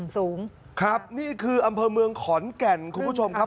สูงครับนี่คืออำเภอเมืองขอนแก่นคุณผู้ชมครับ